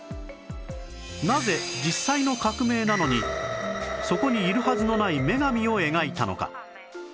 なぜ実際の革命なのにそこにいるはずのない女神を描いたのか？